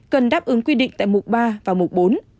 cần đáp ứng quy định tại mục ba và mục bốn